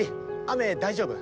雨、大丈夫？